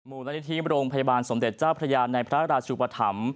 มูลนิธิโรงพยาบาลสมเด็จเจ้าพระยาในพระราชุปธรรม